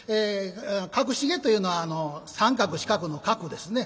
角重というのは三角四角の「角」ですね。